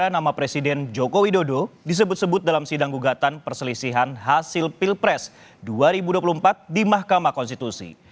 nama presiden joko widodo disebut sebut dalam sidang gugatan perselisihan hasil pilpres dua ribu dua puluh empat di mahkamah konstitusi